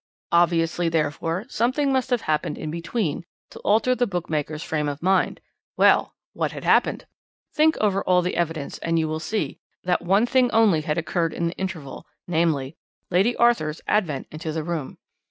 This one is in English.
"Obviously, therefore, something must have happened in between to alter the bookmaker's frame of mind. Well! What had happened? Think over all the evidence, and you will see that one thing only had occurred in the interval, namely, Lady Arthur's advent into the room.